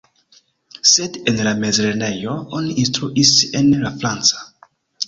Sed en la mezlernejo oni instruis en la franca.